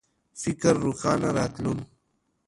فکر روښانه راتلون